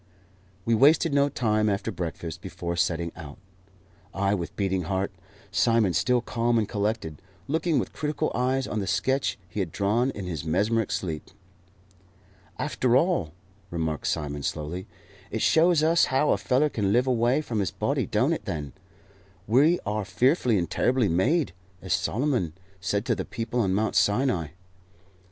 We wasted no time after breakfast before setting out I with beating heart, Simon still calm and collected, looking with critical eyes on the sketch he had drawn in his mesmeric sleep. "After all," remarked Simon, slowly, "it shows us how a feller can live away from his body, don't it, then? We are fearfully and terribly made, as Solomon said to the people on Mount Sinai."